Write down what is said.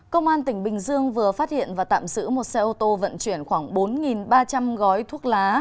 công an tỉnh bình dương vừa phát hiện và tạm giữ một xe ô tô vận chuyển khoảng bốn ba trăm linh gói thuốc lá